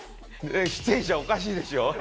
出演者おかしいでしょ。